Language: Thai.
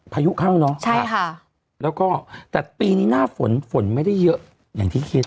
พายุเข้าเนอะใช่ค่ะแล้วก็แต่ปีนี้หน้าฝนฝนไม่ได้เยอะอย่างที่คิด